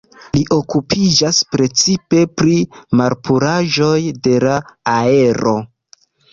Li okupiĝas precipe pri malpuraĵoj de la aero.